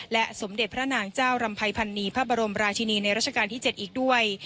และสมเด็จพระนางเจ้ารำภัยพันนีพระบรมราชินีในราชการที่๗อีกด้วย